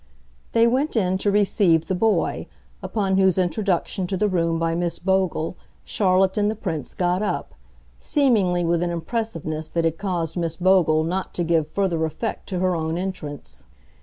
They went in to receive the boy, upon whose introduction to the room by Miss Bogle Charlotte and the Prince got up seemingly with an impressiveness that had caused Miss Bogle not to give further effect to her own entrance.